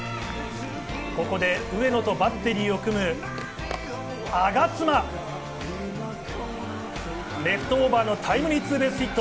ここで上野とバッテリーを組む我妻、レフトオーバーのタイムリーツーベースヒット